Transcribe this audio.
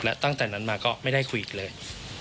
และตั้งแต่นั้นมาก็ไม่ได้คุยอีกเลย